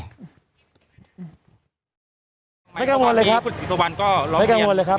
ไม่กังวลเลยครับไม่กังวลเลยครับ